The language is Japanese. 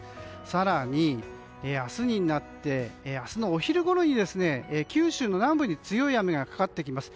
更に、明日のお昼ごろには九州南部に強い雨がかかってきます。